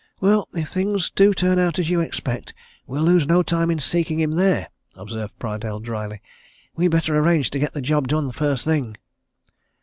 "Well if things do turn out as you expect, we'll lose no time in seeking him there!" observed Prydale dryly. "We'd better arrange to get the job done first thing."